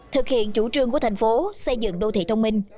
thực hiện chủ trương của thành phố xây dựng đô thị thông minh